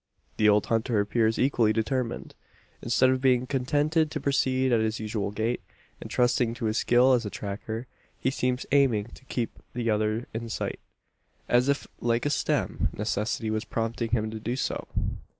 The old hunter appears equally determined. Instead of being contented to proceed at his usual gait, and trusting to his skill as a tracker, he seems aiming to keep the other in sight as if a like stern necessity was prompting him to do so.